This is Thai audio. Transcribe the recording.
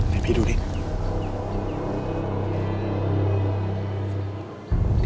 ให้พี่ดูดิ